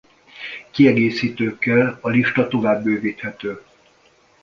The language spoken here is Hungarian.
Kiegészítőkkel a lista tovább bővíthető.